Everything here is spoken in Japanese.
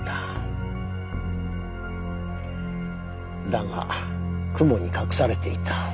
だが雲に隠されていた。